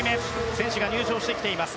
選手が入場してきています。